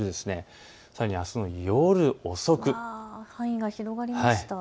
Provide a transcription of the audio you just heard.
さらにあすの夜遅く、範囲が広がりました。